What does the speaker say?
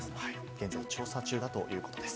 現在調査中だということです。